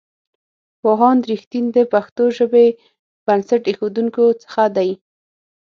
پوهاند رښتین د پښتو ژبې بنسټ ایښودونکو څخه دی.